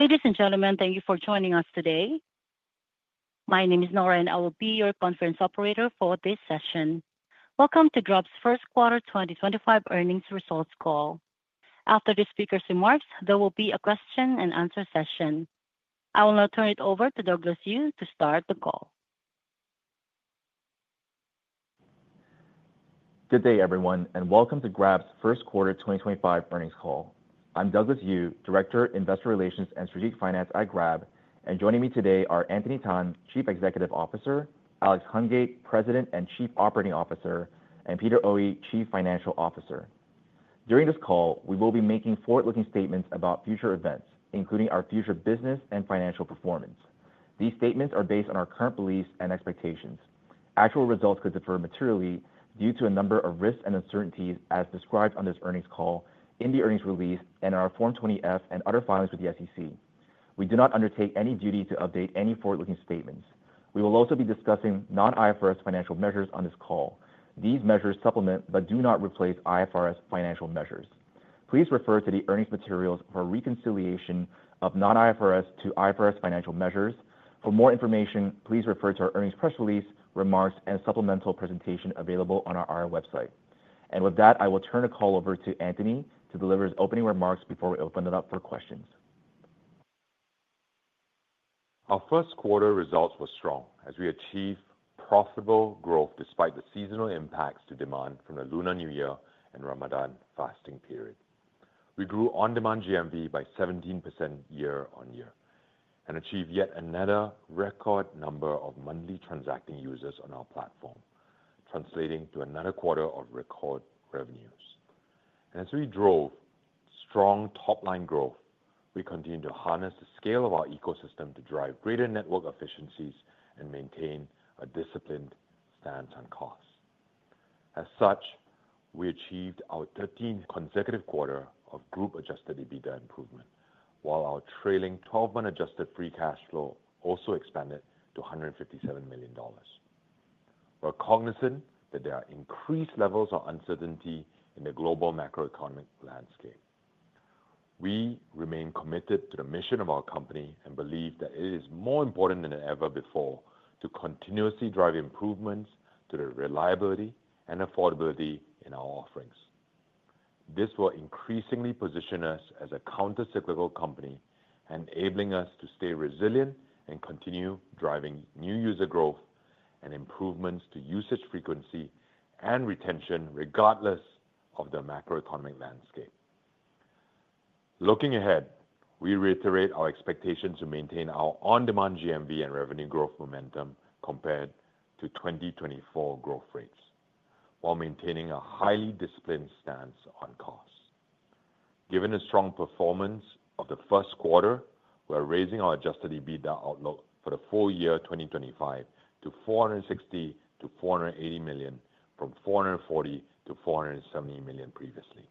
Ladies and gentlemen, thank you for joining us today. My name is Nora, and I will be your conference operator for this session. Welcome to Grab's First Quarter 2025 Earnings Results Call. After the speaker's remarks, there will be a question-and-answer session. I will now turn it over to Douglas Yu to start the call. Good day everyone and welcome to Grab's First Quarter 2025 Earnings Call. I'm Douglas Yu, Director of Investor Relations and Strategic Finance at Grab, and joining me today are Anthony Tan, Chief Executive Officer; Alex Hungate, President and Chief Operating Officer; and Peter Oey, Chief Financial Officer. During this call, we will be making forward-looking statements about future events, including our future business and financial performance. These statements are based on our current beliefs and expectations. Actual results could differ materially due to a number of risks and uncertainties, as described on this earnings call, in the earnings release, and in our Form 20F and other filings with the SEC. We do not undertake any duty to update any forward-looking statements. We will also be discussing non-IFRS financial measures on this call. These measures supplement but do not replace IFRS financial measures. Please refer to the earnings materials for reconciliation of non-IFRS to IFRS financial measures. For more information, please refer to our earnings press release, remarks, and supplemental presentation available on our IRA website. With that, I will turn the call over to Anthony to deliver his opening remarks before we open it up for questions. Our first quarter results were strong, as we achieved profitable growth despite the seasonal impacts to demand from the Lunar New Year and Ramadan fasting period. We grew on-demand GMV by 17% year-on-year and achieved yet another record number of monthly transacting users on our platform, translating to another quarter of record revenues. As we drove strong top-line growth, we continued to harness the scale of our ecosystem to drive greater network efficiencies and maintain a disciplined stance on costs. As such, we achieved our 13th consecutive quarter of Group-adjusted EBITDA improvement, while our trailing 12-month adjusted free cash flow also expanded to $157 million. We're cognizant that there are increased levels of uncertainty in the global macroeconomic landscape. We remain committed to the mission of our company and believe that it is more important than ever before to continuously drive improvements to the reliability and affordability in our offerings. This will increasingly position us as a counter-cyclical company, enabling us to stay resilient and continue driving new user growth and improvements to usage frequency and retention regardless of the macroeconomic landscape. Looking ahead, we reiterate our expectation to maintain our on-demand GMV and revenue growth momentum compared to 2024 growth rates, while maintaining a highly disciplined stance on costs. Given the strong performance of the first quarter, we're raising our adjusted EBITDA outlook for the full year 2025 to $460-$480 million, from $440-$470 million previously.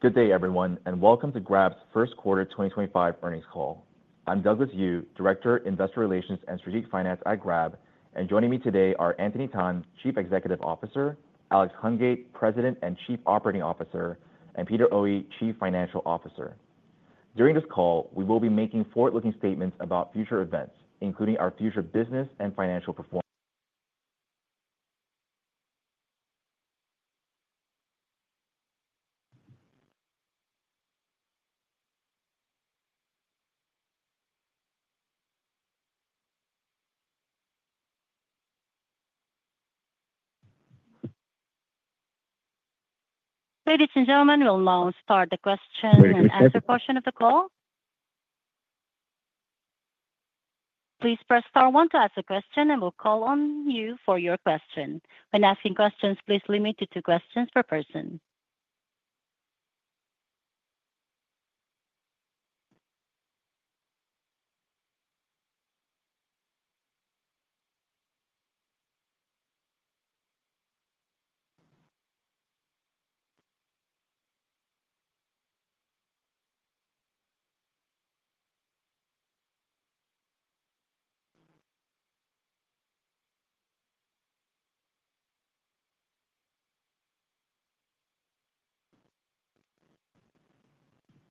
Good day, everyone, and welcome to Grab's First Quarter 2025 Earnings Call. I'm Douglas Yu, Director of Investor Relations and Strategic Finance at Grab, and joining me today are Anthony Tan, Chief Executive Officer; Alex Hungate, President and Chief Operating Officer; and Peter Oey, Chief Financial Officer. During this call, we will be making forward-looking statements about future events, including our future business and financial performance. Ladies and gentlemen, we'll now start the question and answer portion of the call. Please press star one to ask a question, and we'll call on you for your question. When asking questions, please limit to two questions per person.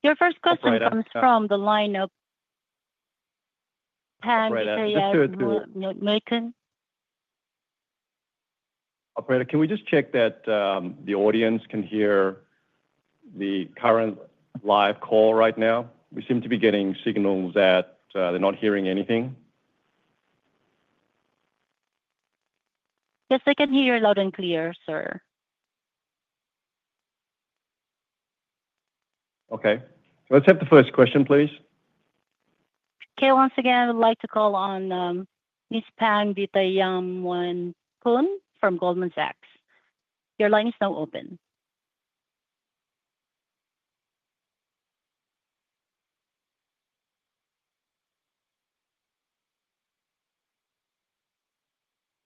Your first question comes from the line of hands that you have been making. Operator, can we just check that the audience can hear the current live call right now? We seem to be getting signals that they're not hearing anything. Yes, I can hear you loud and clear, sir. Okay. Let's have the first question, please. Okay. Once again, I would like to call on Ms. Pang Vittayaamnuaykoon from Goldman Sachs. Your line is now open.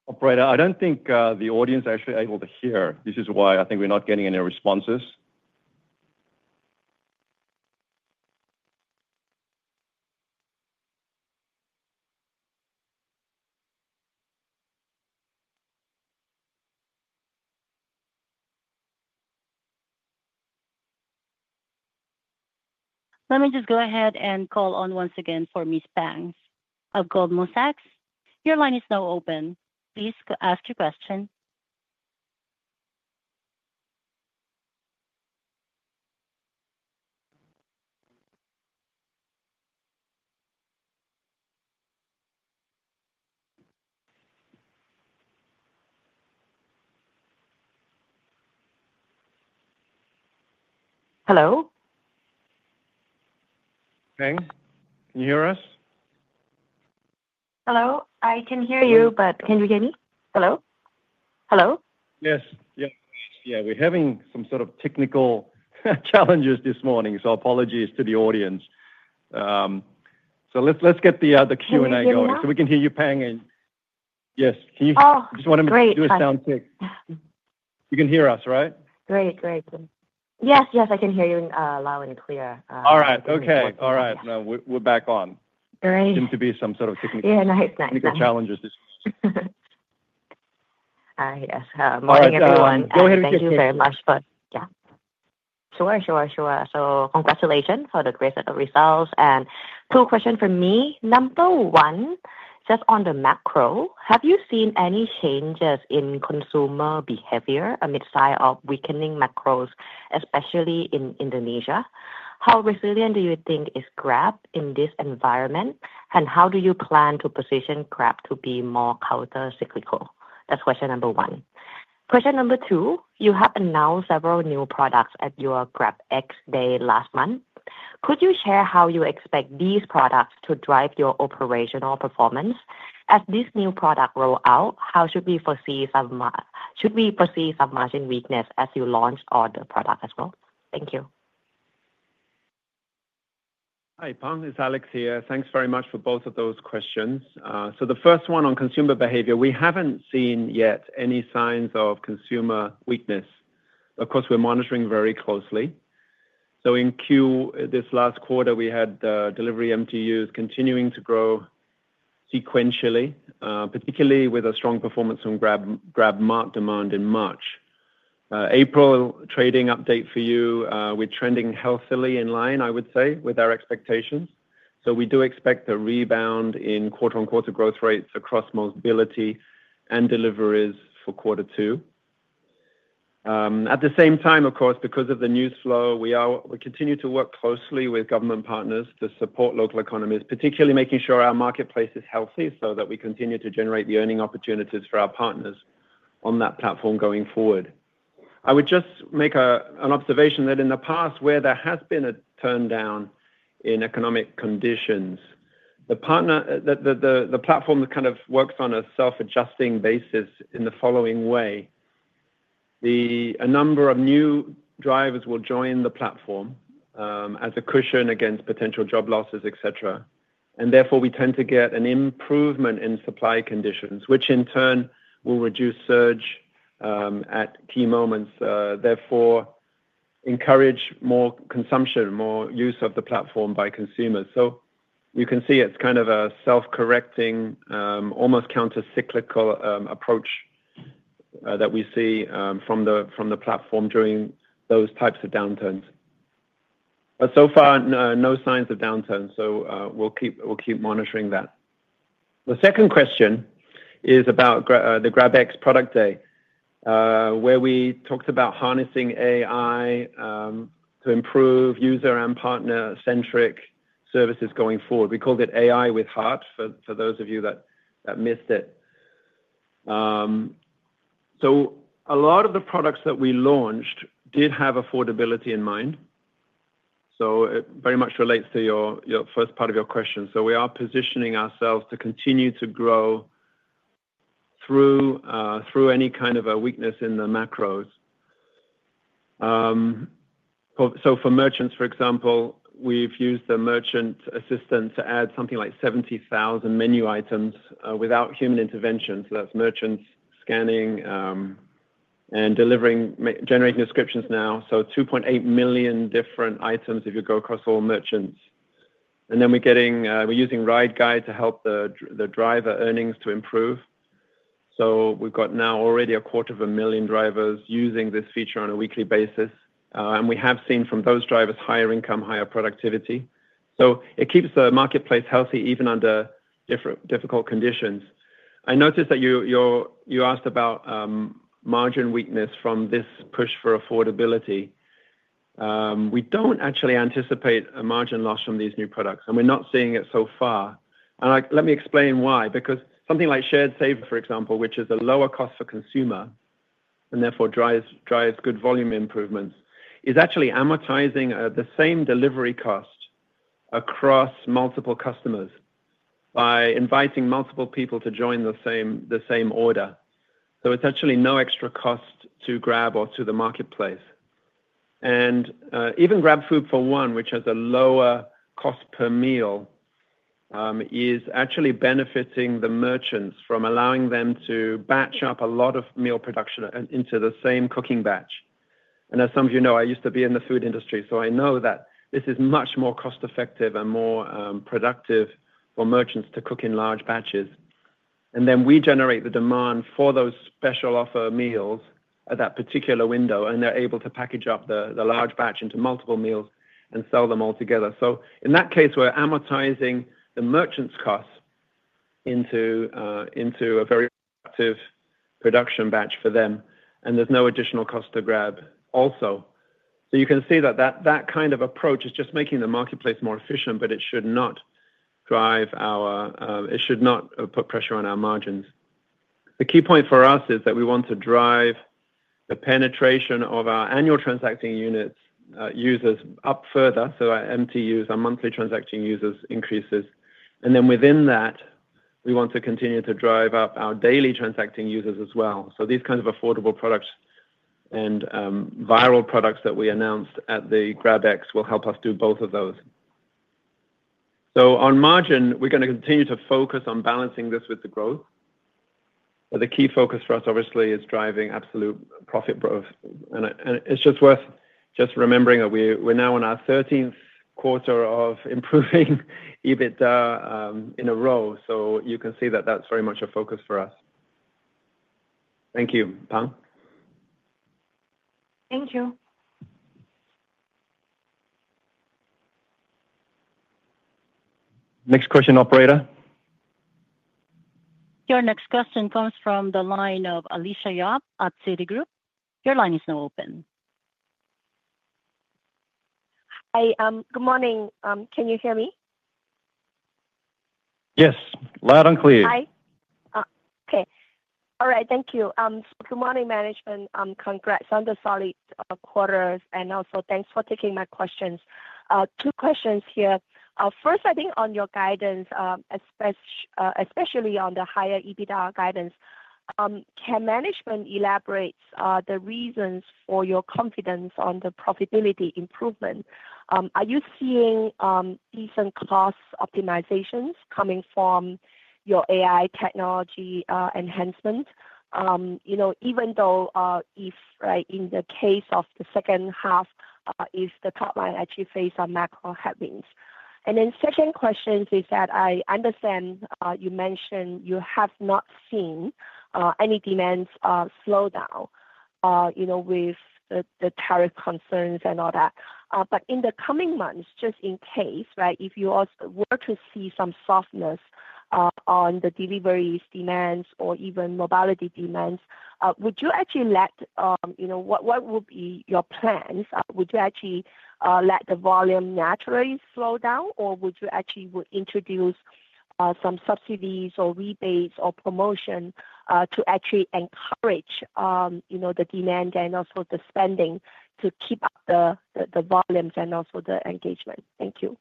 Operator, I don't think the audience is actually able to hear. This is why I think we're not getting any responses. Let me just go ahead and call on once again for Ms. Pang of Goldman Sachs. Your line is now open. Please ask your question. Hello? Pang? Can you hear us? Hello. I can hear you, but can you hear me? Hello? Hello? Yes. Yeah. Yeah. We're having some sort of technical challenges this morning, so apologies to the audience. Let's get the Q&A going so we can hear you, Pang. Yes, can you hear us? Oh, great. Just wanted to do a sound check. You can hear us, right? Great. Great. Yes. Yes. I can hear you loud and clear. All right. Okay. All right. Now we're back on. Great. Seem to be some sort of technical. Yeah. Nice. Nice. Technical challenges this morning. Yes. Morning, everyone. Morning. Thank you very much. Yeah. Sure. Sure. Congratulations for the great set of results. Two questions for me. Number one, just on the macro, have you seen any changes in consumer behavior amidst the weakening macros, especially in Indonesia? How resilient do you think is Grab in this environment, and how do you plan to position Grab to be more counter-cyclical? That's question number one. Question number two, you have announced several new products at your GrabX Day last month. Could you share how you expect these products to drive your operational performance? As this new product rolls out, how should we foresee some margin weakness as you launch all the products as well? Thank you. Hi, Pang. It's Alex here. Thanks very much for both of those questions. The first one on consumer behavior, we haven't seen yet any signs of consumer weakness. Of course, we're monitoring very closely. In Q, this last quarter, we had delivery MTUs continuing to grow sequentially, particularly with a strong performance from Grab Mart demand in March. April trading update for you, we're trending healthily in line, I would say, with our expectations. We do expect a rebound in quarter-on-quarter growth rates across mobility and deliveries for quarter two. At the same time, of course, because of the news flow, we continue to work closely with government partners to support local economies, particularly making sure our marketplace is healthy so that we continue to generate the earning opportunities for our partners on that platform going forward. I would just make an observation that in the past, where there has been a turndown in economic conditions, the platform kind of works on a self-adjusting basis in the following way. A number of new drivers will join the platform as a cushion against potential job losses, etc. Therefore, we tend to get an improvement in supply conditions, which in turn will reduce surge at key moments, therefore encourage more consumption, more use of the platform by consumers. You can see it's kind of a self-correcting, almost counter-cyclical approach that we see from the platform during those types of downturns. So far, no signs of downturns, so we'll keep monitoring that. The second question is about the GrabX Product Day, where we talked about harnessing AI to improve user and partner-centric services going forward. We called it AI with heart for those of you that missed it. A lot of the products that we launched did have affordability in mind. It very much relates to your first part of your question. We are positioning ourselves to continue to grow through any kind of a weakness in the macros. For merchants, for example, we've used the Merchant Assistant to add something like 70,000 menu items without human intervention. That is merchants scanning and generating descriptions now. There are 2.8 million different items if you go across all merchants. We are using Ride Guide to help the driver earnings to improve. We have now already a quarter of a million drivers using this feature on a weekly basis. We have seen from those drivers higher income, higher productivity. It keeps the marketplace healthy even under difficult conditions. I noticed that you asked about margin weakness from this push for affordability. We do not actually anticipate a margin loss from these new products, and we are not seeing it so far. Let me explain why. Because something like Shared Saver, for example, which is a lower cost for consumer and therefore drives good volume improvements, is actually amortizing the same delivery cost across multiple customers by inviting multiple people to join the same order. It is actually no extra cost to Grab or to the marketplace. Even Grab Food for One, which has a lower cost per meal, is actually benefiting the merchants from allowing them to batch up a lot of meal production into the same cooking batch. As some of you know, I used to be in the food industry, so I know that this is much more cost-effective and more productive for merchants to cook in large batches. We generate the demand for those special offer meals at that particular window, and they're able to package up the large batch into multiple meals and sell them all together. In that case, we're amortizing the merchant's costs into a very productive production batch for them, and there's no additional cost to Grab also. You can see that that kind of approach is just making the marketplace more efficient, but it should not put pressure on our margins. The key point for us is that we want to drive the penetration of our annual transacting users up further, so our MTUs our monthly transacting users increases. Within that, we want to continue to drive up our daily transacting users as well. These kinds of affordable products and viral products that we announced at the GrabX will help us do both of those. On margin, we're going to continue to focus on balancing this with the growth. The key focus for us, obviously, is driving absolute profit growth. It is just worth just remembering that we're now in our 13th quarter of improving EBITDA in a row. You can see that that's very much a focus for us. Thank you, Pang. Thank you. Next question, operator. Your next question comes from the line of Alicia Yap at Citigroup. Your line is now open. Hi. Good morning. Can you hear me? Yes. Loud and clear. Hi. Okay. All right. Thank you. Good morning, management. Congrats on the solid quarters, and also thanks for taking my questions. Two questions here. First I think on your guidance, especially on the higher EBITDA guidance, can management elaborate the reasons for your confidence on the profitability improvement? Are you seeing decent cost optimizations coming from your AI technology enhancement, even though, in the case of the second half, if the top line actually faced some macro headwinds? Second question is that I understand you mentioned you have not seen any demand slowdown with the tariff concerns and all that. In the coming months, just in case, if you were to see some softness on the deliveries demands or even mobility demands, what would be your plans? Would you actually let the volume naturally slow down, or would you actually introduce some subsidies or rebates or promotion to actually encourage the demand and also the spending to keep up the volumes and also the engagement? Thank you.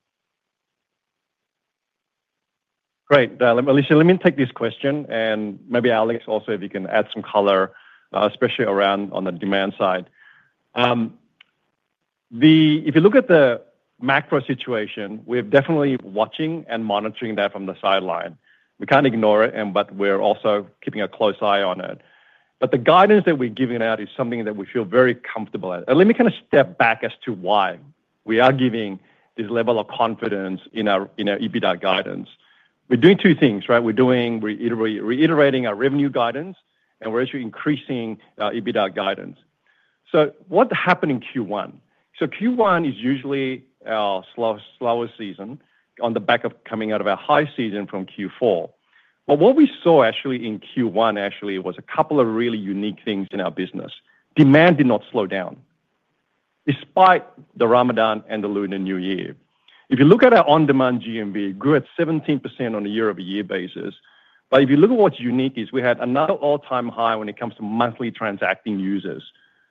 Great. Alicia, let me take this question, and maybe Alex also, if you can add some color, especially around on the demand side. If you look at the macro situation, we're definitely watching and monitoring that from the sideline. We can't ignore it, but we're also keeping a close eye on it. The guidance that we're giving out is something that we feel very comfortable at. Let me kind of step back as to why we are giving this level of confidence in our EBITDA guidance. We're doin g two things, right? We're reiterating our revenue guidance, and we're actually increasing our EBITDA guidance. What happened in Q1? Q1 is usually our slower season on the back of coming out of our high season from Q4. What we saw actually in Q1 was a couple of really unique things in our business. Demand did not slow down despite the Ramadan and the Lunar New Year. If you look at our on-demand GMV, grew at 17% on a year-over-year basis. If you look at what's unique, we had another all-time high when it comes to monthly transacting users.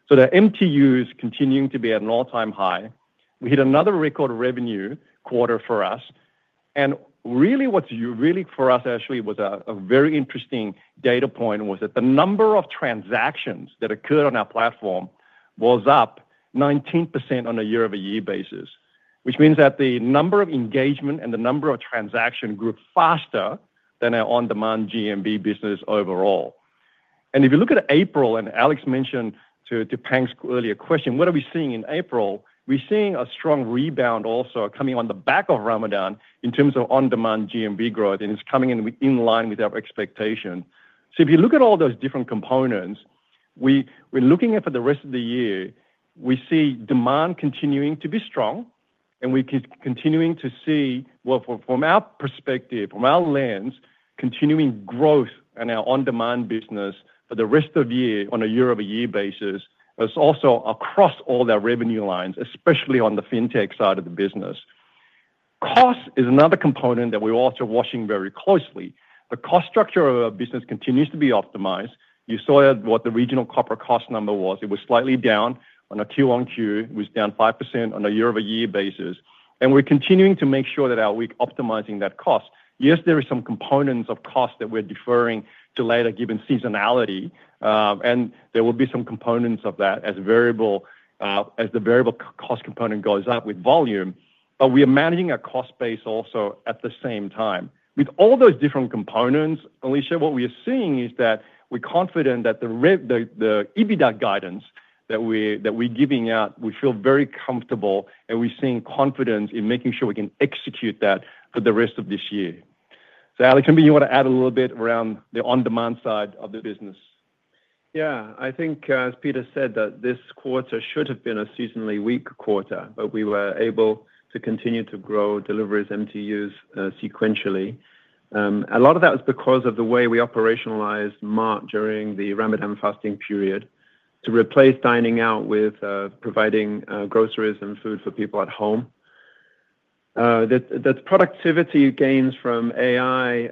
The MTUs continuing to be at an all-time high. We hit another record revenue quarter for us. What was really for us actually a very interesting data point was that the number of transactions that occurred on our platform was up 19% on a year-over-year basis, which means that the number of engagement and the number of transactions grew faster than our on-demand GMV business overall. If you look at April, and Alex mentioned to Pang's earlier question, what are we seeing in April? We're seeing a strong rebound also coming on the back of Ramadan in terms of on-demand GMV growth, and it's coming in line with our expectation. If you look at all those different components, we're looking at for the rest of the year, we see demand continuing to be strong, and we're continuing to see, from our perspective, from our lens, continuing growth in our on-demand business for the rest of the year on a year-over-year basis, but it's also across all our revenue lines, especially on the fintech side of the business. Cost is another component that we're also watching very closely. The cost structure of our business continues to be optimized. You saw what the regional corporate cost number was. It was slightly down on a Q1Q. It was down 5% on a year-over-year basis. We're continuing to make sure that we're optimizing that cost. Yes, there are some components of cost that we're deferring to later given seasonality, and there will be some components of that as the variable cost component goes up with volume. We are managing our cost base also at the same time. With all those different components, Alicia, what we are seeing is that we're confident that the EBITDA guidance that we're giving out, we feel very comfortable, and we're seeing confidence in making sure we can execute that for the rest of this year. Alex, maybe you want to add a little bit around the on-demand side of the business. Yeah. I think as Peter said that this quarter should have been a seasonally weak quarter but we were able to continue to grow deliveries MTUs sequentially. A lot of that was because of the way we operationalized March during the Ramadan fasting period to replace dining out with providing groceries and food for people at home. The productivity gains from AI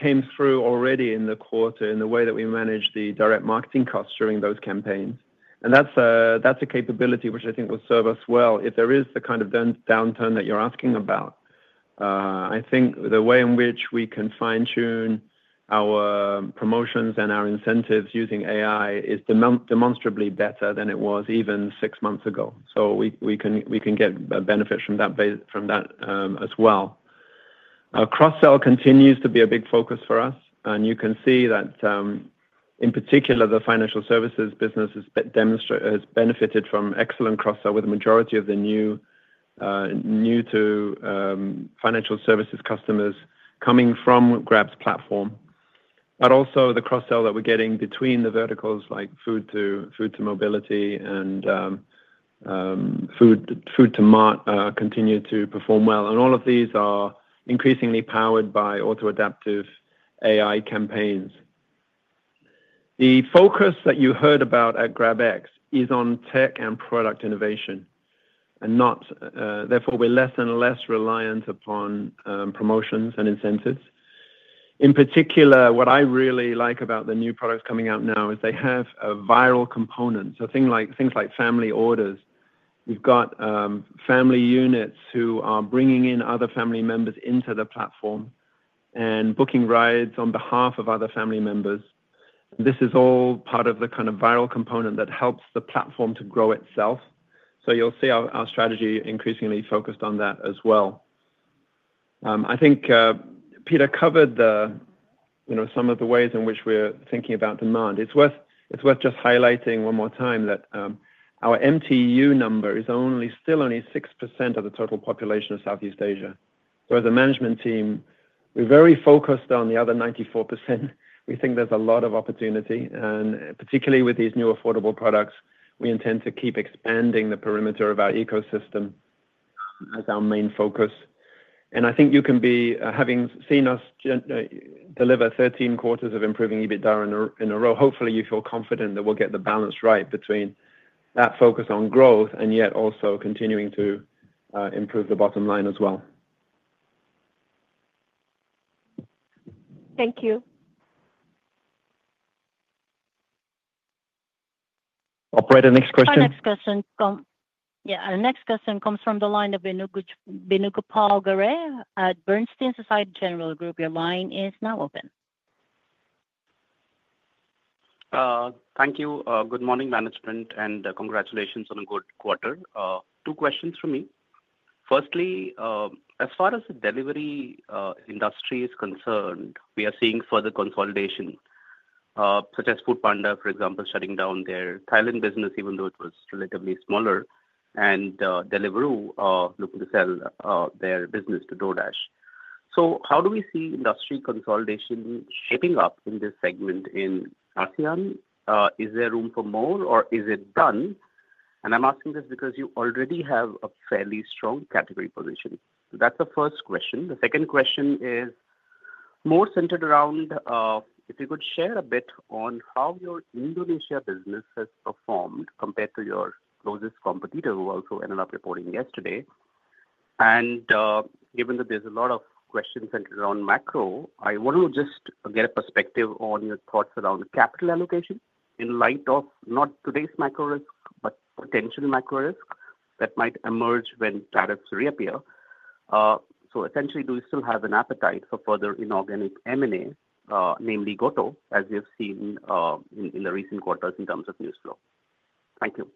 came through already in the quarter in the way that we managed the direct marketing costs during those campaigns. That is a capability which I think will serve us well if there is the kind of downturn that you're asking about. I think the way in which we can fine-tune our promotions and our incentives using AI is demonstrably better than it was even six months ago. We can get benefits from that as well. Cross-sell continues to be a big focus for us. You can see that, in particular, the financial services business has benefited from excellent cross-sell with the majority of the new-to-financial services customers coming from Grab's platform. Also, the cross-sell that we're getting between the verticals like food-to-mobility and food-to-mart continue to perform well. All of these are increasingly powered by auto-adaptive AI campaigns. The focus that you heard about at GrabX is on tech and product innovation, and therefore we're less and less reliant upon promotions and incentives. In particular, what I really like about the new products coming out now is they have a viral component. Things like family orders. We've got family units who are bringing in other family members into the platform and booking rides on behalf of other family members. This is all part of the kind of viral component that helps the platform to grow itself. You'll see our strategy increasingly focused on that as well. I think Peter covered some of the ways in which we're thinking about demand. It's worth just highlighting one more time that our MTU number is still only 6% of the total population of Southeast Asia. As a management team, we're very focused on the other 94%. We think there's a lot of opportunity, and particularly with these new affordable products, we intend to keep expanding the perimeter of our ecosystem as our main focus. I think you can be having seen us deliver 13 quarters of improving EBITDA in a row. Hopefully, you feel confident that we'll get the balance right between that focus on growth and yet also continuing to improve the bottom line as well. Thank you. Operator, next question. Our next question comes from the line of Venugopal Garre at Bernstein Société Générale Group. Your line is now open. Thank you. Good morning, management, and congratulations on a good quarter. Two questions for me. Firstly, as far as the delivery industry is concerned, we are seeing further consolidation such as Foodpanda, for example, shutting down their Thailand business, even though it was relatively smaller, and Deliveroo looking to sell their business to DoorDash. How do we see industry consolidation shaping up in this segment in ASEAN? Is there room for more, or is it done? I am asking this because you already have a fairly strong category position. That is the first question. The second question is more centered around if you could share a bit on how your Indonesia business has performed compared to your closest competitor, who also ended up reporting yesterday. Given that there's a lot of questions centered around macro, I want to just get a perspective on your thoughts around capital allocation in light of not today's macro risk but potential macro risk that might emerge when tariffs reappear. Essentially, do we still have an appetite for further inorganic M&A, namely GOTO, as we have seen in the recent quarters in terms of news flow? Thank you.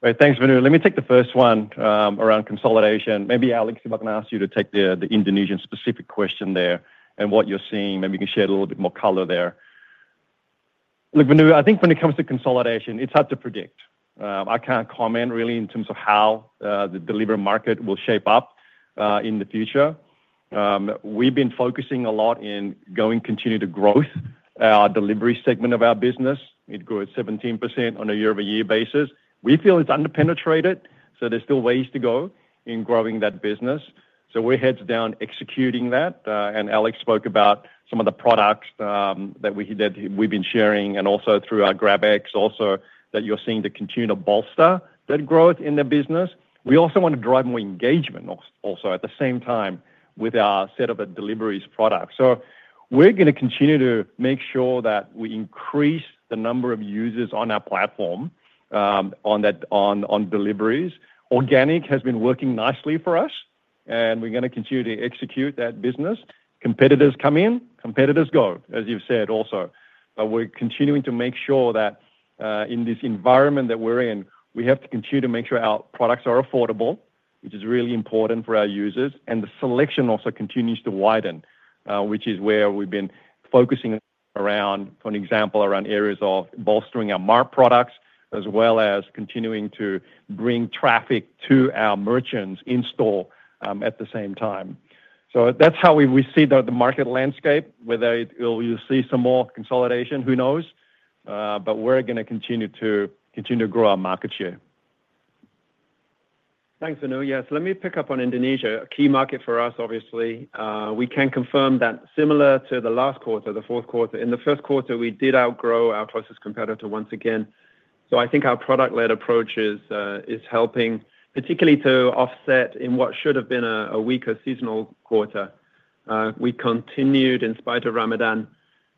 Right. Thanks Venu. Let me take the first one around consolidation. Maybe Alex, if I can ask you to take the Indonesian-specific question there and what you're seeing, maybe you can share a little bit more color there. Look, Venu, I think when it comes to consolidation, it's hard to predict. I can't comment really in terms of how the delivery market will shape up in the future. We've been focusing a lot in going continued growth, our delivery segment of our business. It grew at 17% on a year-over-year basis. We feel it's underpenetrated, so there's still ways to go in growing that business. We're heads down executing that. Alex spoke about some of the products that we've been sharing and also through our GrabX also that you're seeing to continue to bolster that growth in the business. We also want to drive more engagement also at the same time with our set of deliveries products. We are going to continue to make sure that we increase the number of users on our platform on deliveries. Organic has been working nicely for us, and we are going to continue to execute that business. Competitors come in, competitors go, as you have said also. We are continuing to make sure that in this environment that we are in, we have to continue to make sure our products are affordable, which is really important for our users. The selection also continues to widen, which is where we have been focusing around, for an example, around areas of bolstering our products as well as continuing to bring traffic to our merchants in store at the same time. That is how we see the market landscape whether you will see some more consolidation who knows. We're going to continue to grow our market share. Thanks, Venu. Yes, let me pick up on Indonesia. A key market for us, obviously. We can confirm that similar to the last quarter, the fourth quarter. In the first quarter, we did outgrow our closest competitor once again. I think our product-led approach is helping, particularly to offset in what should have been a weaker seasonal quarter. We continued in spite of Ramadan,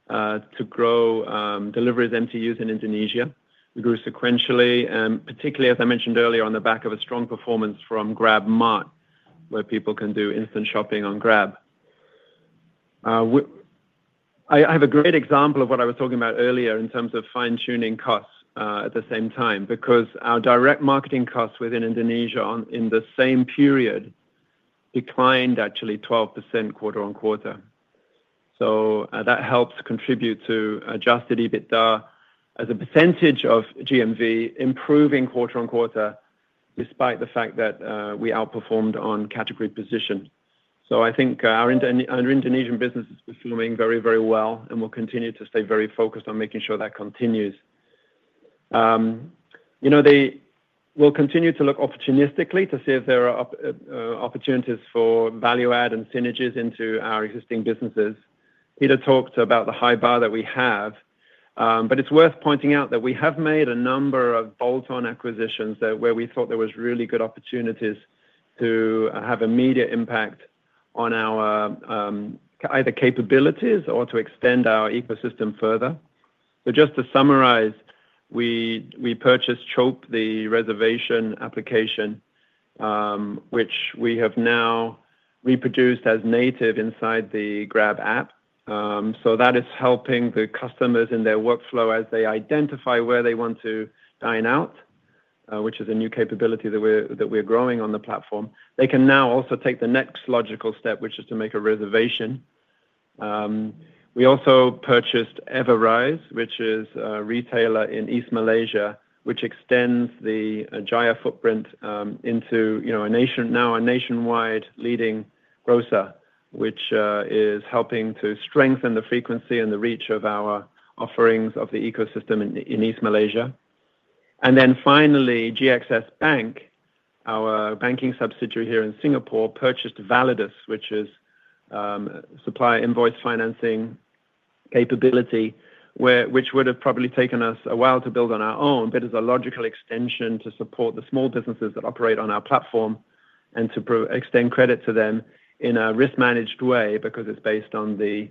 to grow deliveries MTUs in Indonesia. We grew sequentially, and particularly, as I mentioned earlier on the back of a strong performance from Grab Mart, where people can do instant shopping on Grab. I have a great example of what I was talking about earlier in terms of fine-tuning costs at the same time because our direct marketing costs within Indonesia in the same period declined actually 12% quarter on quarter. That helps contribute to adjusted EBITDA as a percentage of GMV improving quarter on quarter despite the fact that we outperformed on category position. I think our Indonesian business is performing very, very well, and we'll continue to stay very focused on making sure that continues. We'll continue to look opportunistically to see if there are opportunities for value-add and synergies into our existing businesses. Peter talked about the high bar that we have, but it's worth pointing out that we have made a number of bolt-on acquisitions where we thought there were really good opportunities to have immediate impact on either capabilities or to extend our ecosystem further. Just to summarize, we purchased Chope the reservation application, which we have now reproduced as native inside the Grab app. That is helping the customers in their workflow as they identify where they want to dine out, which is a new capability that we're growing on the platform. They can now also take the next logical step, which is to make a reservation. We also purchased Everrise, which is a retailer in East Malaysia, which extends the Jaya footprint into now a nationwide leading grocer, which is helping to strengthen the frequency and the reach of our offerings of the ecosystem in East Malaysia. Finally GXS Bank, our banking substitute here in Singapore purchased Validus, which is a supplier invoice financing capability, which would have probably taken us a while to build on our own, but is a logical extension to support the small businesses that operate on our platform and to extend credit to them in a risk-managed way because it's based on the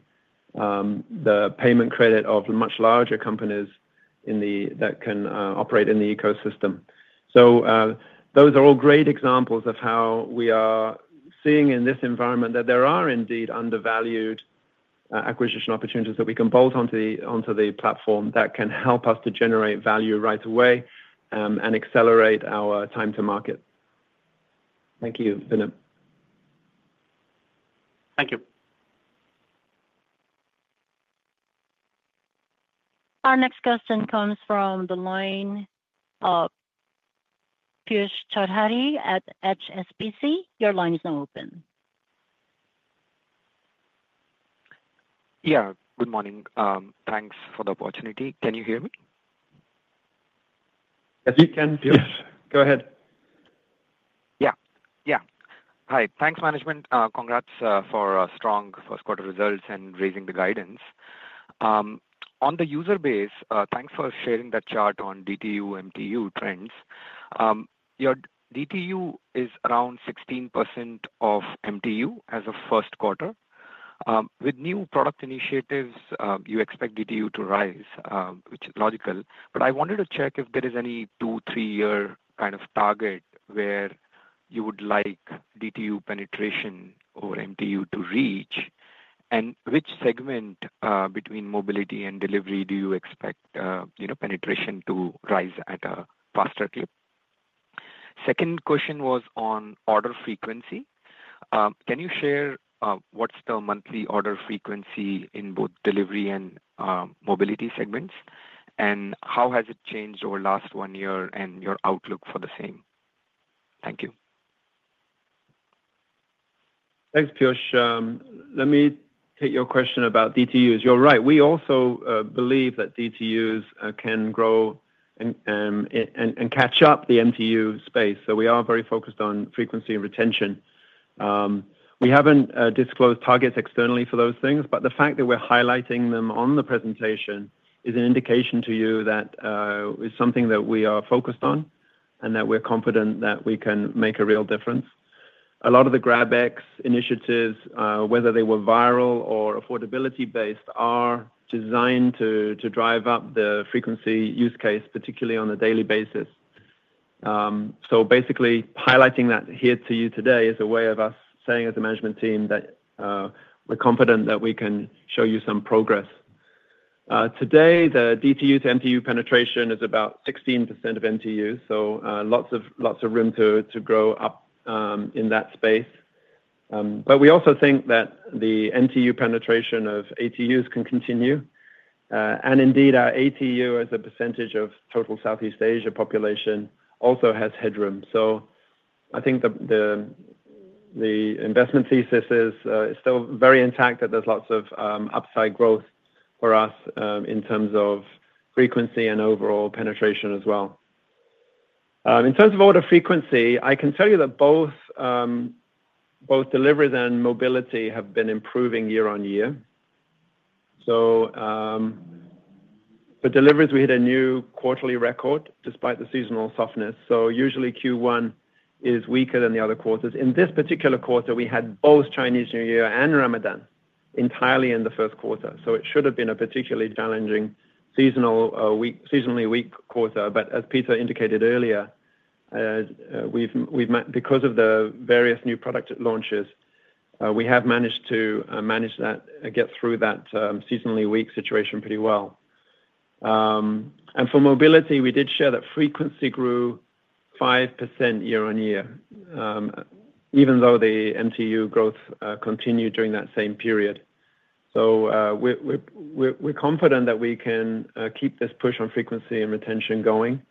payment credit of much larger companies that can operate in the ecosystem. Those are all great examples of how we are seeing in this environment that there are indeed undervalued acquisition opportunities that we can bolt onto the platform that can help us to generate value right away and accelerate our time to market. Thank you, Venu. Thank you. Our next question comes from the line of Prakash Chaudhary at HSBC. Your line is now open. Yeah. Good morning. Thanks for the opportunity. Can you hear me? Yes, you can, Prakash. Go ahead. Yeah. Yeah. Hi. Thanks, management. Congrats for strong first-quarter results and raising the guidance. On the user base, thanks for sharing that chart on DTU/MTU trends. DTU is around 16% of MTU as of first quarter. With new product initiatives, you expect DTU to rise, which is logical. I wanted to check if there is any two, three-year kind of target where you would like DTU penetration over MTU to reach, and which segment between mobility and delivery do you expect penetration to rise at a faster clip? Second question was on order frequency. Can you share what's the monthly order frequency in both delivery and mobility segments, and how has it changed over the last one year, and your outlook for the same? Thank you. Thanks Prakash. Let me take your question about DTUs. You're right. We also believe that DTUs can grow and catch up the MTU space. We are very focused on frequency and retention. We haven't disclosed targets externally for those things but the fact that we're highlighting them on the presentation is an indication to you that it's something that we are focused on and that we're confident that we can make a real difference. A lot of the GrabX initiatives, whether they were viral or affordability-based, are designed to drive up the frequency use case, particularly on a daily basis. Basically, highlighting that here to you today is a way of us saying as a management team that we're confident that we can show you some progress. Today, the DTU to MTU penetration is about 16% of MTU, so lots of room to grow up in that space. We also think that the MTU penetration of ATUs can continue. Indeed, our ATU, as a percentage of total Southeast Asia population, also has headroom. I think the investment thesis is still very intact that there's lots of upside growth for us in terms of frequency and overall penetration as well. In terms of order frequency, I can tell you that both deliveries and mobility have been improving year on year. For deliveries, we hit a new quarterly record despite the seasonal softness. Usually, Q1 is weaker than the other quarters. In this particular quarter, we had both Chinese New Year and Ramadan entirely in the first quarter. It should have been a particularly challenging seasonally weak quarter. As Peter indicated earlier, because of the various new product launches, we have managed to manage that and get through that seasonally weak situation pretty well. For mobility, we did share that frequency grew 5% year on year, even though the MTU growth continued during that same period. We are confident that we can keep this push on frequency and retention going,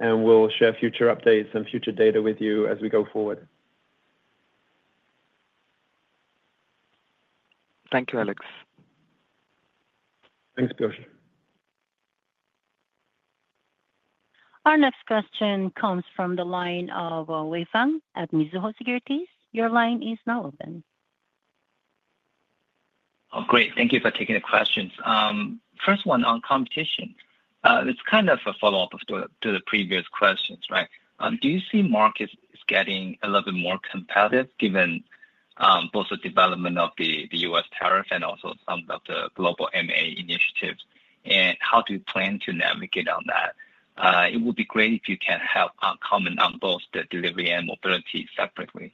and we will share future updates and future data with you as we go forward. Thank you, Alex. Thanks, Prakash. Our next question comes from the line of Wei Fang at Mizuho Securities. Your line is now open. Oh, great. Thank you for taking the questions. First one on competition. It's kind of a follow-up to the previous questions, right? Do you see markets getting a little bit more competitive given both the development of the US tariff and also some of the global M&A initiatives? How do you plan to navigate on that? It would be great if you can help comment on both the delivery and mobility separately.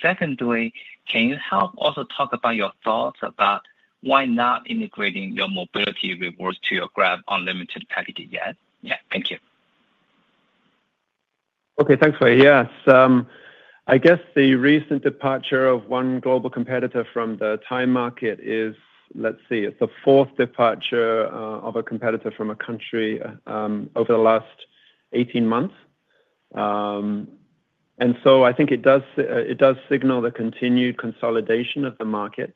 Secondly, can you help also talk about your thoughts about why not integrating your mobility rewards to your Grab Unlimited package yet? Yeah. Thank you. Okay. Thanks Wei Fang. Yes. I guess the recent departure of one global competitor from the Thai market is, let's see, it's the fourth departure of a competitor from a country over the last 18 months. I think it does signal the continued consolidation of the market.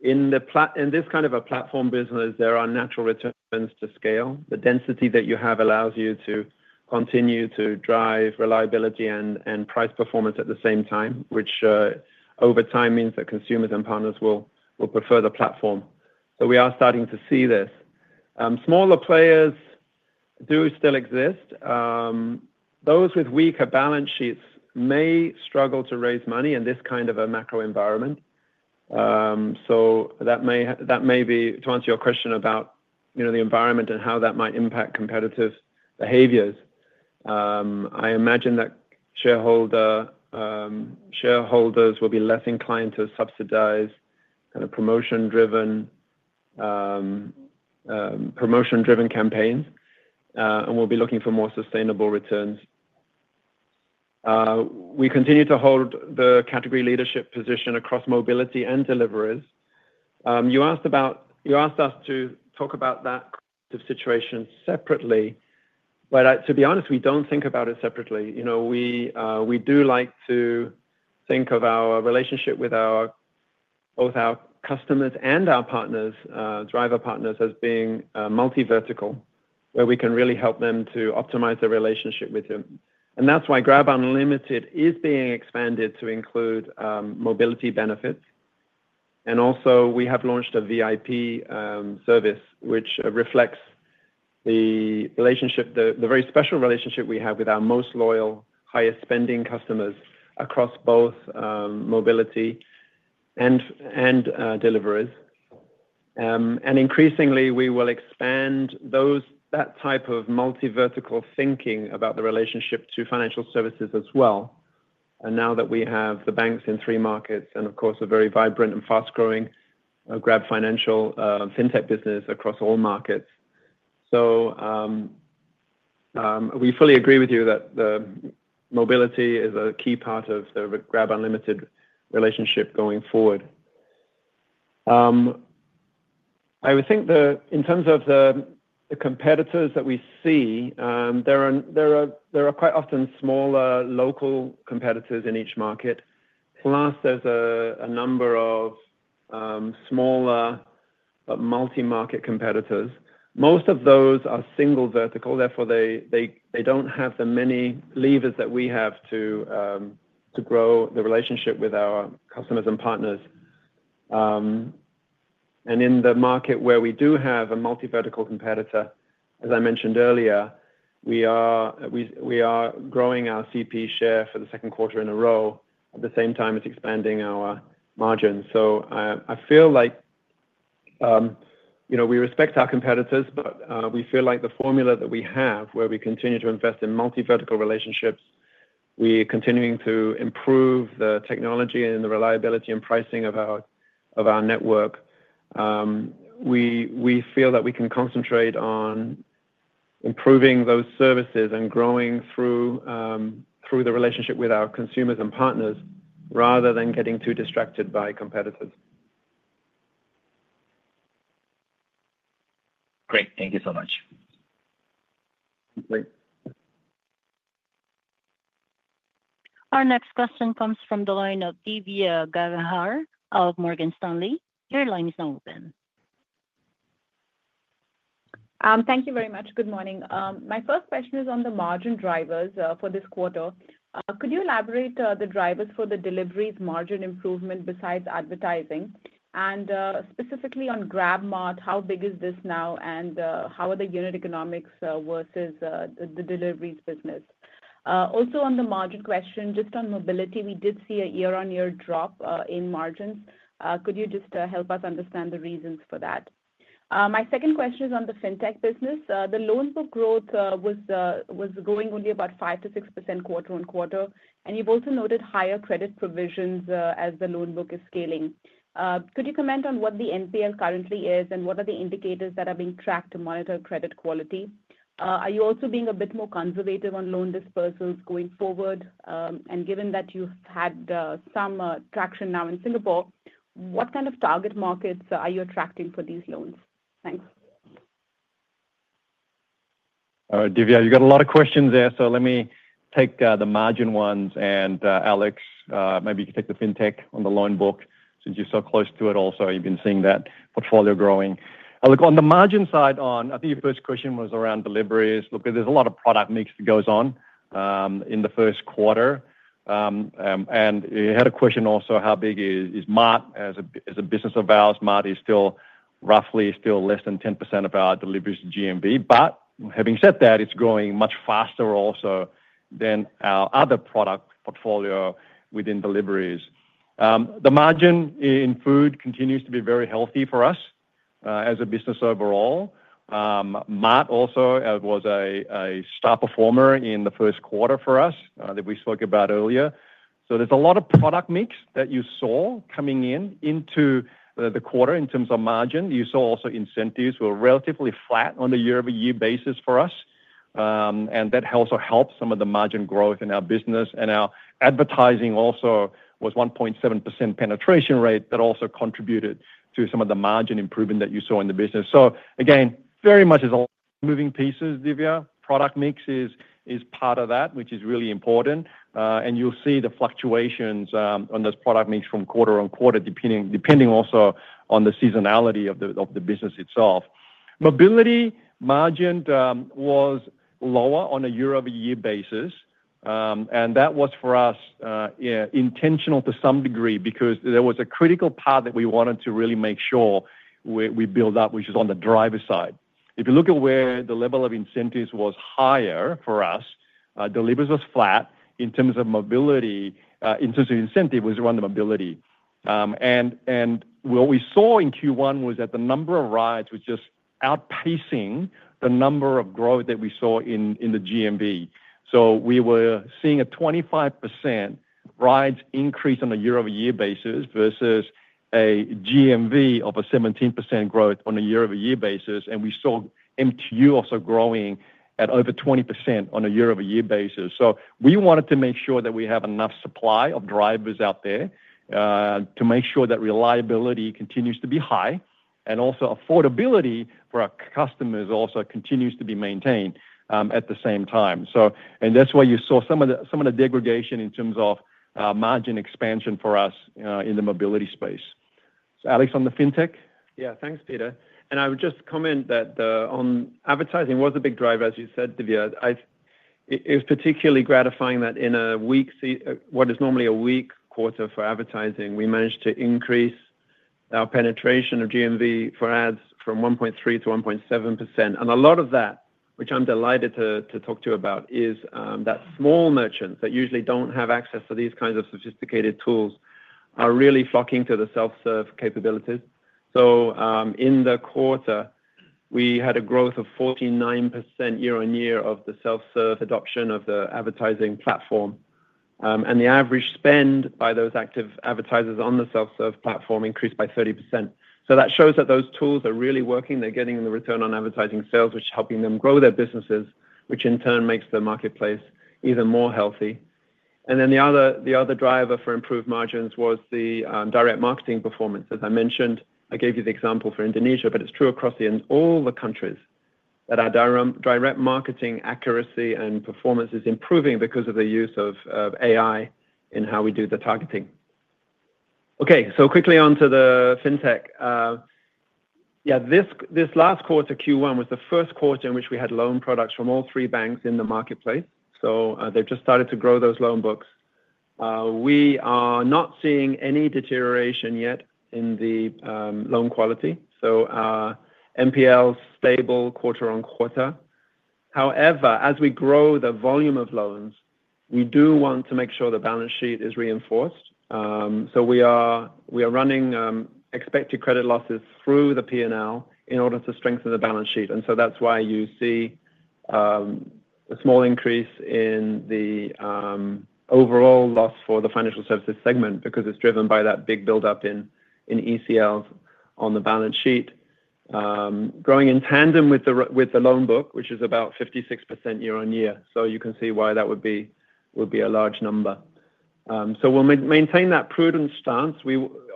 In this kind of a platform business, there are natural returns to scale. The density that you have allows you to continue to drive reliability and price performance at the same time, which over time means that consumers and partners will prefer the platform. We are starting to see this. Smaller players do still exist. Those with weaker balance sheets may struggle to raise money in this kind of a macro environment. That may be, to answer your question about the environment and how that might impact competitive behaviors, I imagine that shareholders will be less inclined to subsidize kind of promotion-driven campaigns and will be looking for more sustainable returns. We continue to hold the category leadership position across mobility and deliveries. You asked us to talk about that situation separately, but to be honest, we do not think about it separately. We do like to think of our relationship with both our customers and our partners, driver partners, as being multi-vertical, where we can really help them to optimize their relationship with them. That is why Grab Unlimited is being expanded to include mobility benefits. Also, we have launched a VIP service which reflects the very special relationship we have with our most loyal highest-spending customers across both mobility and deliveries. Increasingly, we will expand that type of multi-vertical thinking about the relationship to financial services as well. Now that we have the banks in three markets and of course, a very vibrant and fast-growing Grab Financial fintech business across all markets, we fully agree with you that mobility is a key part of the Grab Unlimited relationship going forward. I would think that in terms of the competitors that we see, there are quite often smaller local competitors in each market. Plus, there is a number of smaller multi-market competitors. Most of those are single vertical. Therefore, they do not have the many levers that we have to grow the relationship with our customers and partners. In the market where we do have a multi-vertical competitor, as I mentioned earlier, we are growing our CP share for the second quarter in a row at the same time as expanding our margins. I feel like we respect our competitors, but we feel like the formula that we have, where we continue to invest in multi-vertical relationships, we are continuing to improve the technology and the reliability and pricing of our network. We feel that we can concentrate on improving those services and growing through the relationship with our consumers and partners rather than getting too distracted by competitors. Great. Thank you so much. Great. Our next question comes from the line of Divya Gangahar of Morgan Stanley. Your line is now open. Thank you very much. Good morning. My first question is on the margin drivers for this quarter. Could you elaborate on the drivers for the deliveries margin improvement besides advertising? Specifically on Grab Mart, how big is this now, and how are the unit economics versus the deliveries business? Also, on the margin question, just on mobility, we did see a year-on-year drop in margins. Could you just help us understand the reasons for that? My second question is on the fintech business. The loan book growth was growing only about 5-6% quarter on quarter, and you've also noted higher credit provisions as the loan book is scaling. Could you comment on what the NPL currently is and what are the indicators that are being tracked to monitor credit quality? Are you also being a bit more conservative on loan disbursements going forward? Given that you've had some traction now in Singapore, what kind of target markets are you attracting for these loans? Thanks. All right Divya, you've got a lot of questions there, so let me take the margin ones. Alex, maybe you can take the fintech on the loan book since you're so close to it also. You've been seeing that portfolio growing. Look, on the margin side, I think your first question was around deliveries. There's a lot of product mix that goes on in the first quarter. You had a question also, how big is Mart as a business of ours? Mart is still roughly still less than 10% of our deliveries to GMV. Having said that, it's growing much faster also than our other product portfolio within deliveries. The margin in food continues to be very healthy for us as a business overall. Mart also was a star performer in the first quarter for us that we spoke about earlier. There is a lot of product mix that you saw coming in into the quarter in terms of margin. You saw also incentives were relatively flat on a year-over-year basis for us, and that also helped some of the margin growth in our business. Our advertising also was 1.7% penetration rate that also contributed to some of the margin improvement that you saw in the business. Again, very much as moving pieces, Divya, product mix is part of that, which is really important. You will see the fluctuations on those product mix from quarter on quarter, depending also on the seasonality of the business itself. Mobility margin was lower on a year-over-year basis, and that was for us intentional to some degree because there was a critical part that we wanted to really make sure we build up, which is on the driver side. If you look at where the level of incentives was higher for us, deliveries was flat. In terms of mobility, in terms of incentive, it was around the mobility. What we saw in Q1 was that the number of rides was just outpacing the number of growth that we saw in the GMV. We were seeing a 25% rides increase on a year-over-year basis versus a GMV of a 17% growth on a year-over-year basis. We saw MTU also growing at over 20% on a year-over-year basis. We wanted to make sure that we have enough supply of drivers out there to make sure that reliability continues to be high and also affordability for our customers also continues to be maintained at the same time. That is why you saw some of the degradation in terms of margin expansion for us in the mobility space. Alex, on the fintech? Yeah. Thanks, Peter. I would just comment that on advertising was a big driver, as you said Divya. It was particularly gratifying that in a week, what is normally a weak quarter for advertising, we managed to increase our penetration of GMV for ads from 1.3% to 1.7%. A lot of that, which I'm delighted to talk to you about, is that small merchants that usually do not have access to these kinds of sophisticated tools are really flocking to the self-serve capabilities. In the quarter, we had a growth of 49% year-on-year of the self-serve adoption of the advertising platform. The average spend by those active advertisers on the self-serve platform increased by 30%. That shows that those tools are really working. They are getting the return on advertising sales, which is helping them grow their businesses, which in turn makes the marketplace even more healthy. The other driver for improved margins was the direct marketing performance. As I mentioned, I gave you the example for Indonesia, but it's true across all the countries that our direct marketing accuracy and performance is improving because of the use of AI in how we do the targeting. Okay. Quickly on to the fintech. Yeah. This last quarter, Q1, was the first quarter in which we had loan products from all three banks in the marketplace. They've just started to grow those loan books. We are not seeing any deterioration yet in the loan quality. NPL is stable quarter on quarter. However, as we grow the volume of loans, we do want to make sure the balance sheet is reinforced. We are running expected credit losses through the P&L in order to strengthen the balance sheet. That is why you see a small increase in the overall loss for the financial services segment because it is driven by that big buildup in ECLs on the balance sheet, growing in tandem with the loan book, which is about 56% year-on-year. You can see why that would be a large number. We will maintain that prudent stance.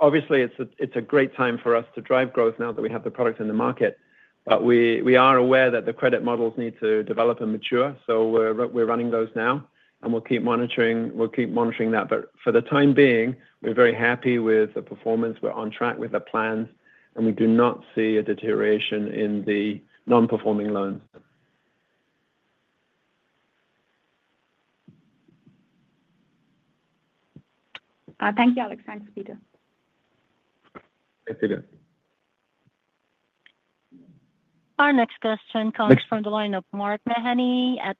Obviously, it is a great time for us to drive growth now that we have the product in the market, but we are aware that the credit models need to develop and mature. We are running those now, and we will keep monitoring that. For the time being, we are very happy with the performance. We are on track with the plans and we do not see a deterioration in the non-performing loans. Thank you Alex, Thanks Peter. Thanks Divya. Our next question comes from the line of Mark Mahaney at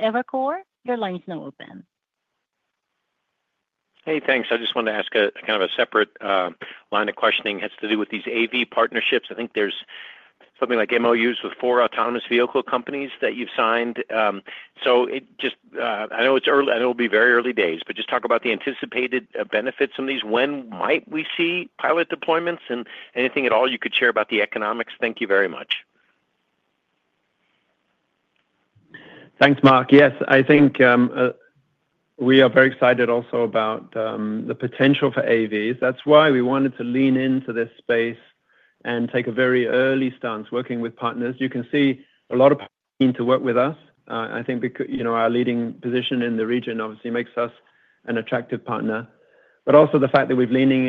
Evercore. Your line is now open. Hey thanks. I just wanted to ask kind of a separate line of questioning that has to do with these AV partnerships. I think there's something like MOUs with four autonomous vehicle companies that you've signed. I know it's early. I know it'll be very early days, but just talk about the anticipated benefits from these. When might we see pilot deployments? Anything at all you could share about the economics? Thank you very much. Thanks Mark. Yes, I think we are very excited also about the potential for AVs. That's why we wanted to lean into this space and take a very early stance working with partners. You can see a lot of partners are keen to work with us. I think our leading position in the region obviously makes us an attractive partner, but also the fact that we're leaning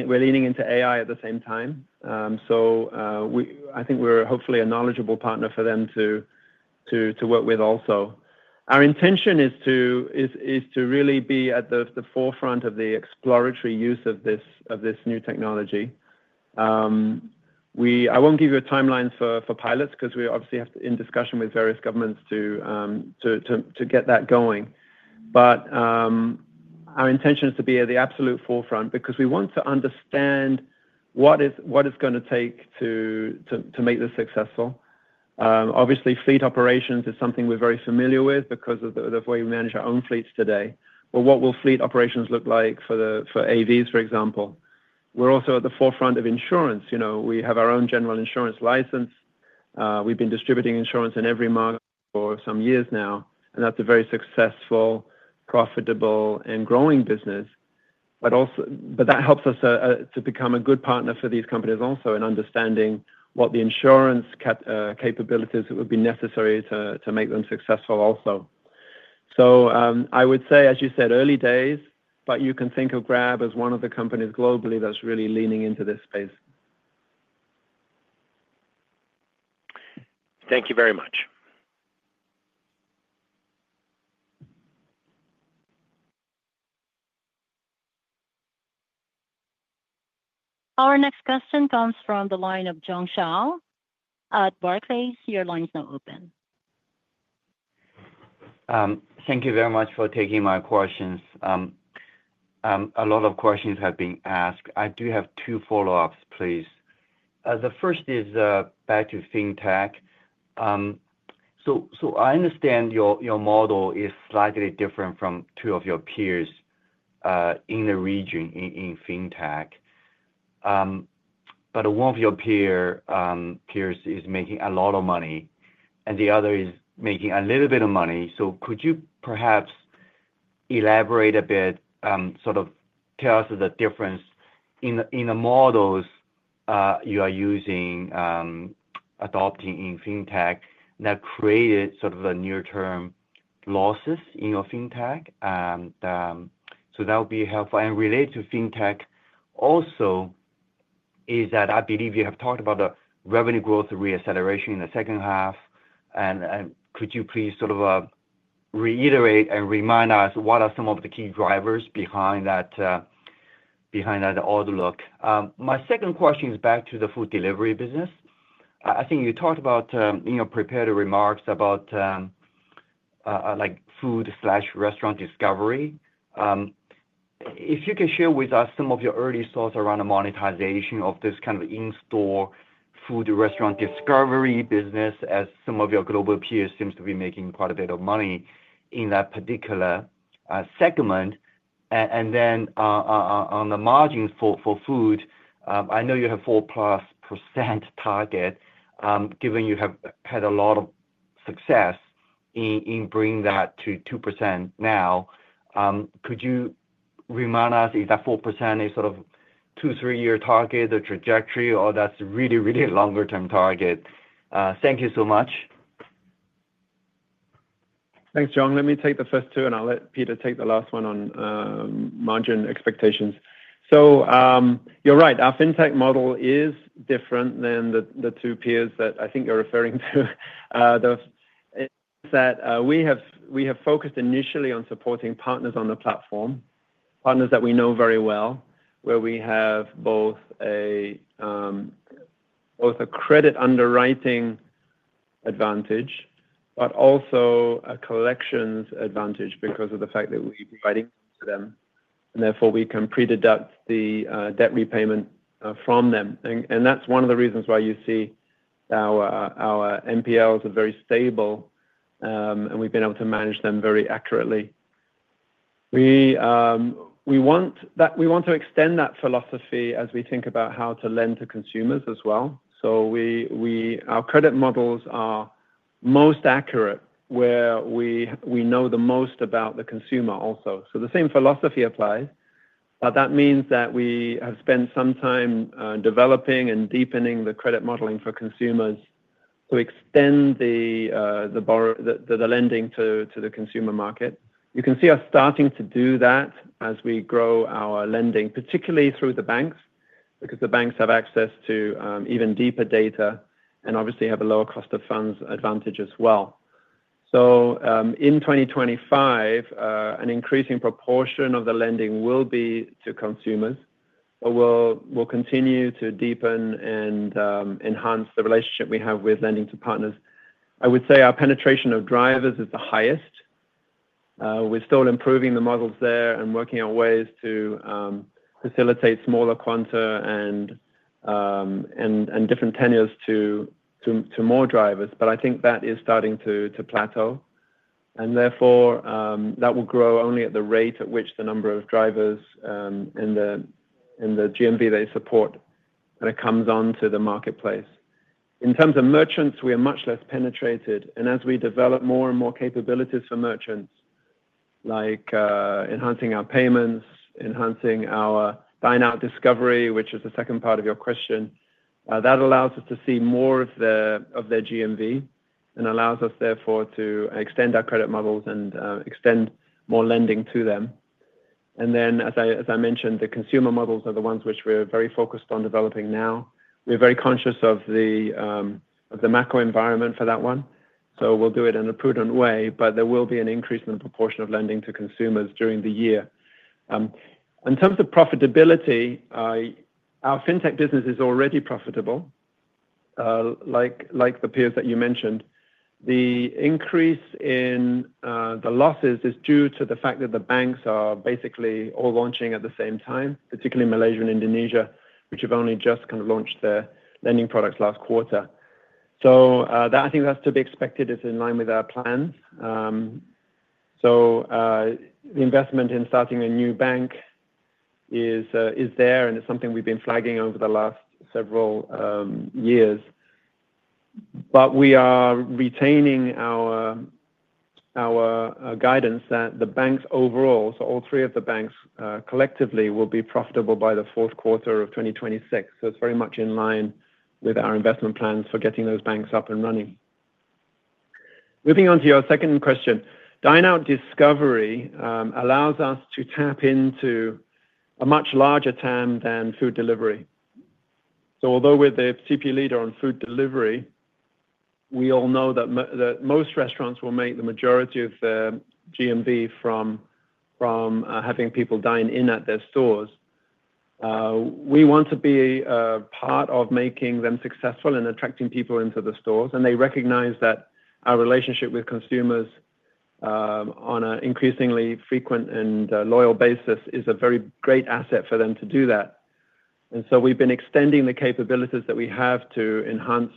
into AI at the same time. I think we're hopefully a knowledgeable partner for them to work with also. Our intention is to really be at the forefront of the exploratory use of this new technology. I won't give you a timeline for pilots because we obviously have to be in discussion with various governments to get that going. Our intention is to be at the absolute forefront because we want to understand what it's going to take to make this successful. Obviously, fleet operations is something we're very familiar with because of the way we manage our own fleets today. What will fleet operations look like for AVs, for example? We're also at the forefront of insurance. We have our own general insurance license. We've been distributing insurance in every market for some years now, and that's a very successful, profitable, and growing business. That helps us to become a good partner for these companies also in understanding what the insurance capabilities would be necessary to make them successful also. I would say as you said early days, but you can think of Grab as one of the companies globally that's really leaning into this space. Thank you very much. Our next question comes from the line of Zhong Shang at Barclays. Your line is now open. Thank you very much for taking my questions. A lot of questions have been asked. I do have two follow-ups, please. The first is back to fintech. I understand your model is slightly different from two of your peers in the region in fintech, but one of your peers is making a lot of money, and the other is making a little bit of money. Could you perhaps elaborate a bit, sort of tell us the difference in the models you are using, adopting in fintech that created sort of the near-term losses in your fintech? That would be helpful. Related to fintech also is that I believe you have talked about the revenue growth reacceleration in the second half. Could you please sort of reiterate and remind us what are some of the key drivers behind that outlook? My second question is back to the food delivery business. I think you talked about in your prepared remarks about food/restaurant discovery. If you could share with us some of your early thoughts around the monetization of this kind of in-store food/restaurant discovery business, as some of your global peers seem to be making quite a bit of money in that particular segment. On the margins for food, I know you have a 4% plus target, given you have had a lot of success in bringing that to 2% now. Could you remind us if that 4% is sort of a two to three-year target, the trajectory, or that's a really, really longer-term target? Thank you so much. Thanks Chong. Let me take the first two, and I'll let Peter take the last one on margin expectations. You're right. Our fintech model is different than the two peers that I think you're referring to. It's that we have focused initially on supporting partners on the platform, partners that we know very well, where we have both a credit underwriting advantage, but also a collections advantage because of the fact that we're providing to them. Therefore, we can pre-deduct the debt repayment from them. That's one of the reasons why you see our NPLs are very stable, and we've been able to manage them very accurately. We want to extend that philosophy as we think about how to lend to consumers as well. Our credit models are most accurate where we know the most about the consumer also. The same philosophy applies, but that means that we have spent some time developing and deepening the credit modeling for consumers to extend the lending to the consumer market. You can see us starting to do that as we grow our lending, particularly through the banks because the banks have access to even deeper data and obviously have a lower cost of funds advantage as well. In 2025, an increasing proportion of the lending will be to consumers, but we'll continue to deepen and enhance the relationship we have with lending to partners. I would say our penetration of drivers is the highest. We're still improving the models there and working out ways to facilitate smaller quanta and different tenures to more drivers, but I think that is starting to plateau. Therefore, that will grow only at the rate at which the number of drivers and the GMV they support kind of comes onto the marketplace. In terms of merchants, we are much less penetrated. As we develop more and more capabilities for merchants, like enhancing our payments, enhancing our Buy Now Discovery, which is the second part of your question, that allows us to see more of their GMV and allows us therefore to extend our credit models and extend more lending to them. As I mentioned, the consumer models are the ones which we're very focused on developing now. We're very conscious of the macro environment for that one, so we'll do it in a prudent way, but there will be an increase in the proportion of lending to consumers during the year. In terms of profitability, our fintech business is already profitable, like the peers that you mentioned. The increase in the losses is due to the fact that the banks are basically all launching at the same time, particularly Malaysia and Indonesia, which have only just kind of launched their lending products last quarter. I think that's to be expected. It's in line with our plans. The investment in starting a new bank is there, and it's something we've been flagging over the last several years. We are retaining our guidance that the banks overall, all three of the banks collectively, will be profitable by the fourth quarter of 2026. It is very much in line with our investment plans for getting those banks up and running. Moving on to your second question. Buy Now Discovery allows us to tap into a much larger TAM than food delivery. Although we're the CP leader on food delivery, we all know that most restaurants will make the majority of their GMV from having people dine in at their stores. We want to be part of making them successful and attracting people into the stores. They recognize that our relationship with consumers on an increasingly frequent and loyal basis is a very great asset for them to do that. We have been extending the capabilities that we have to enhance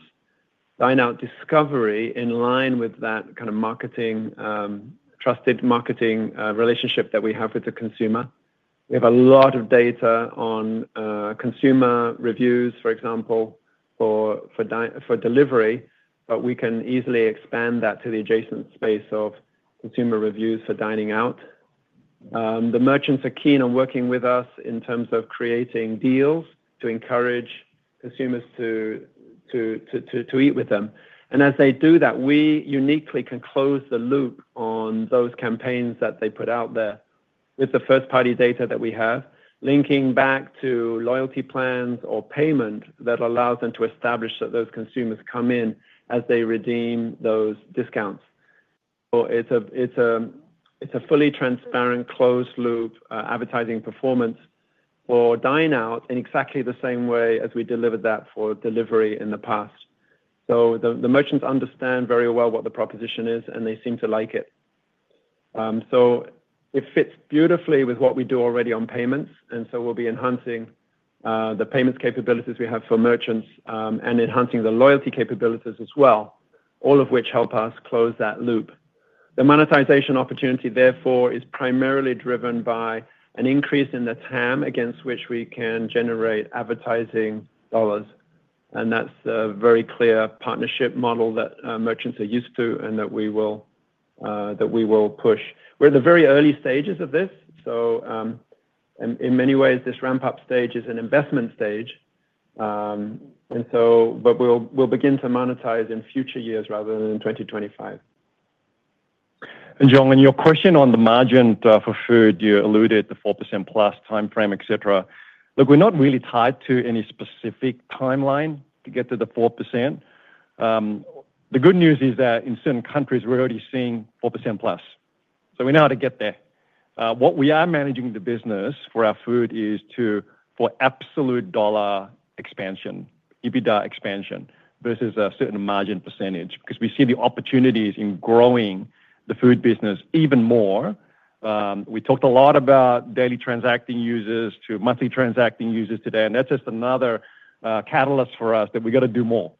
Buy Now Discovery in line with that kind of trusted marketing relationship that we have with the consumer. We have a lot of data on consumer reviews, for example, for delivery but we can easily expand that to the adjacent space of consumer reviews for dining out. The merchants are keen on working with us in terms of creating deals to encourage consumers to eat with them. As they do that, we uniquely can close the loop on those campaigns that they put out there with the first-party data that we have, linking back to loyalty plans or payment that allows them to establish that those consumers come in as they redeem those discounts. It is a fully transparent, closed-loop advertising performance for dine-out in exactly the same way as we delivered that for delivery in the past. The merchants understand very well what the proposition is, and they seem to like it. It fits beautifully with what we do already on payments. We will be enhancing the payments capabilities we have for merchants and enhancing the loyalty capabilities as well, all of which help us close that loop. The monetization opportunity, therefore, is primarily driven by an increase in the TAM against which we can generate advertising dollars. That is a very clear partnership model that merchants are used to and that we will push. We are at the very early stages of this. In many ways, this ramp-up stage is an investment stage. We will begin to monetize in future years rather than in 2025. Chong, in your question on the margin for food, you alluded to the 4%+ timeframe, etc. Look, we're not really tied to any specific timeline to get to the 4%. The good news is that in certain countries, we're already seeing 4%+. So we know how to get there. What we are managing the business for our food is for absolute dollar expansion, EBITDA expansion versus a certain margin percentage because we see the opportunities in growing the food business even more. We talked a lot about daily transacting users to monthly transacting users today. That's just another catalyst for us that we got to do more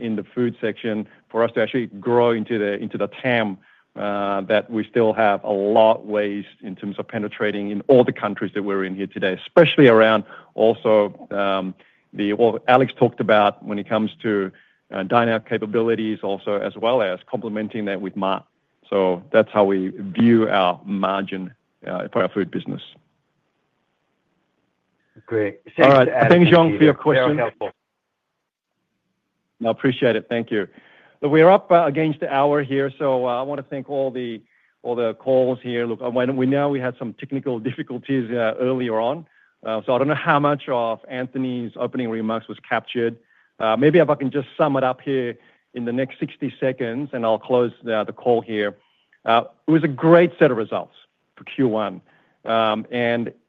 in the food section for us to actually grow into the TAM that we still have a lot ways in terms of penetrating in all the countries that we're in here today, especially around also what Alex talked about when it comes to dine-out capabilities also as well as complementing that with Mart. That's how we view our margin for our food business. Great. All right. Thanks, Chong, for your question. I appreciate it. Thank you. We're up against the hour here, so I want to thank all the calls here. Look, we know we had some technical difficulties earlier on, so I don't know how much of Anthony's opening remarks was captured. Maybe if I can just sum it up here in the next 60 seconds, and I'll close the call here. It was a great set of results for Q1.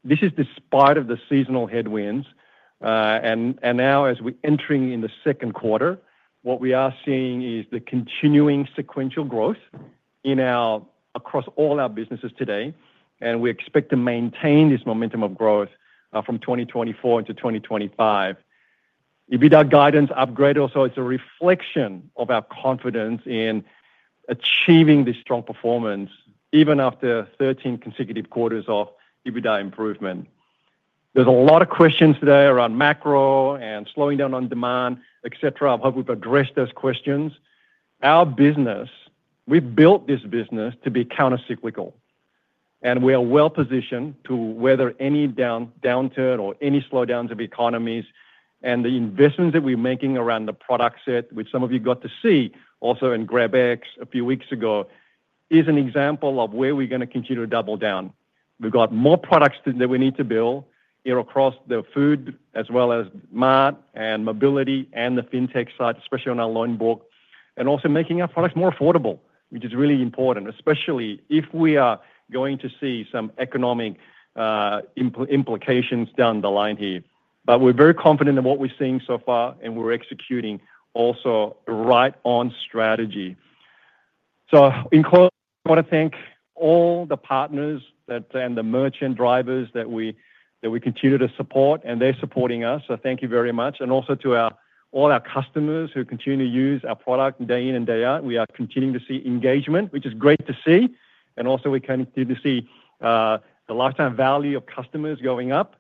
This is despite the seasonal headwinds. Now, as we're entering in the second quarter, what we are seeing is the continuing sequential growth across all our businesses today. We expect to maintain this momentum of growth from 2024 into 2025. EBITDA guidance upgraded also. It's a reflection of our confidence in achieving this strong performance even after 13 consecutive quarters of EBITDA improvement. There's a lot of questions today around macro and slowing down on demand, etc. I hope we've addressed those questions. Our business, we've built this business to be countercyclical. We are well-positioned to weather any downturn or any slowdowns of economies. The investments that we're making around the product set, which some of you got to see also in GrabX a few weeks ago, is an example of where we're going to continue to double down. We've got more products that we need to build across the food as well as Mart and mobility and the fintech side, especially on our loan book, and also making our products more affordable, which is really important, especially if we are going to see some economic implications down the line here. We're very confident in what we're seeing so far and we're executing also right on strategy. I want to thank all the partners and the merchant drivers that we continue to support, and they're supporting us. Thank you very much. Also, to all our customers who continue to use our product day in and day out, we are continuing to see engagement, which is great to see. We continue to see the lifetime value of customers going up.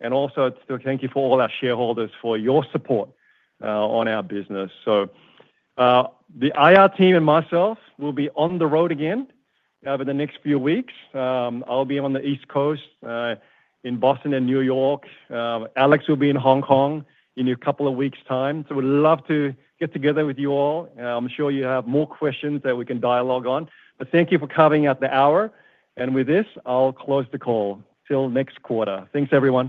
Thank you for all our shareholders for your support on our business. The IR team and myself will be on the road again over the next few weeks. I'll be on the East Coast in Boston and New York. Alex will be in Hong Kong in a couple of weeks time. We'd love to get together with you all. I'm sure you have more questions that we can dialogue on. Thank you for carving out the hour. With this, I'll close the call. Till next quarter. Thanks, everyone.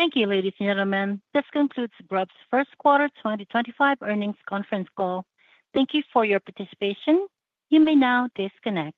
Thank you, ladies and gentlemen. This concludes Grab's First Quarter 2025 Earnings Conference Call. Thank you for your participation. You may now disconnect.